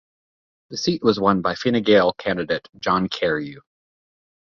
The seat was won by the Fine Gael candidate John Carew.